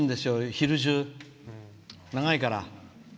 昼中、長いから。